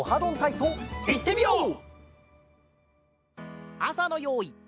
いってみよう！